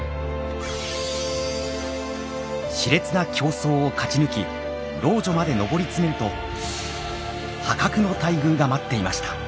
熾烈な競争を勝ち抜き老女まで上り詰めると破格の待遇が待っていました。